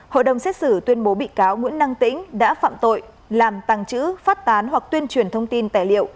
hội đồng xét xử tuyên bố bị cáo nguyễn năng tĩnh đã phạm tội làm tăng trữ phát tán hoặc tuyên truyền thông tin tài liệu